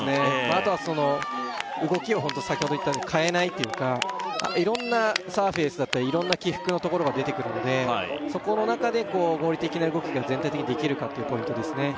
あとはその動きを先ほど言ったように変えないっていうか色んなサーフェスだったり色んな起伏のところが出てくるのでそこの中で合理的な動きが全体的にできるかっていうポイントですね